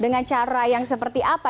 dengan cara yang seperti apa